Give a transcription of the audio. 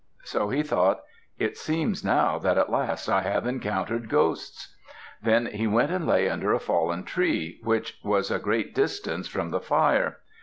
So he thought: "It seems now that at last I have encountered ghosts." Then he went and lay under a fallen tree, which was a great distance from the fire.